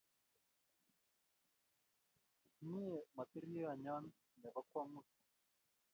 Mye matroninyo ne po kwong'ut